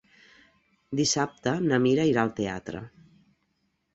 Dissabte na Mira irà al teatre.